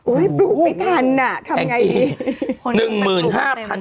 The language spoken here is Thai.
อุ๊ยปลูกไม่ทันทำอย่างไรดี